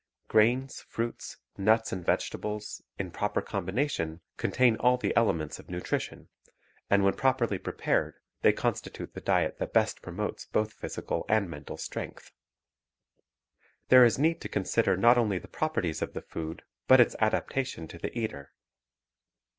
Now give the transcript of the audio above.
Grains, fruits, nuts, and vegetables, in proper combination, contain all the elements of nutrition; and when properly prepared, Temperance and Dietetics 205 they constitute the diet that best promotes both physical and mental strength. There is need to consider not only the properties of the food but its adaptation to the eater.